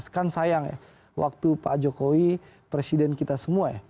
kan sayang ya waktu pak jokowi presiden kita semua ya